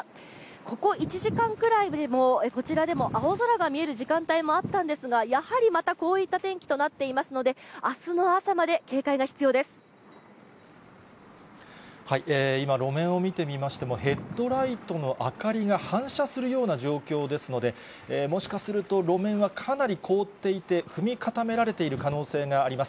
ここ１時間くらいでもこちらでも青空が見える時間帯もあったんですが、やはりまたこういった天気となっていますので、あすの朝まで警戒今、路面を見てみましても、ヘッドライトの明かりが反射するような状況ですので、もしかすると路面はかなり凍っていて、踏み固められている可能性があります。